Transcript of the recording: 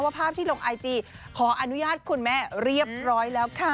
ภาพที่ลงไอจีขออนุญาตคุณแม่เรียบร้อยแล้วค่ะ